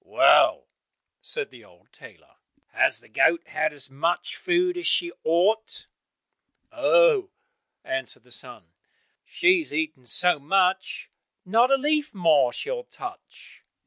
"Well," said the old tailor, "has the goat had as much food as she ought?" "Oh," answered the son, "she has eaten so much, not a leaf more she'll touch."